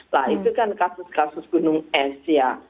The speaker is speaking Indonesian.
nah itu kan kasus kasus gunung es ya